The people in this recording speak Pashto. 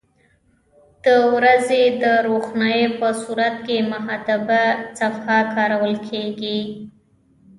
د ورځې د روښنایي په صورت کې محدبه صفحه کارول کیږي.